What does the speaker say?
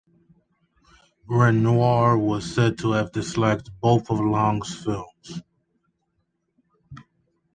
Renoir was said to have disliked both of Lang's films.